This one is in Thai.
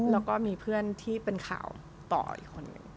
แล้วก็มีเพื่อนที่เป็นข่าวต่ออีกคนนึง